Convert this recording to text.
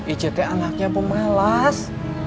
ico anaknya pemalas